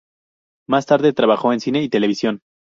Más tarde trabajó en cine y televisión.